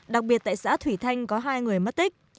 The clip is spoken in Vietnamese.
đặc biệt tại xã thủy thanh có hai người mất tích